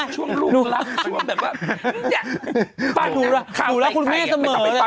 ช่วงลูกลักษณ์ช่วงแบบว่าเนี่ย